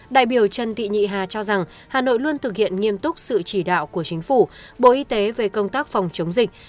đại biểu trần thị nhị hà cho rằng hà nội luôn thực hiện nghiêm túc sự chỉ đạo của chính phủ